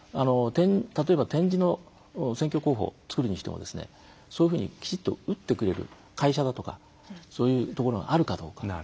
例えば点字の選挙公報を作るにしてもそういうふうにきちんと打ってくれる会社だとかそういうところがあるかどうか。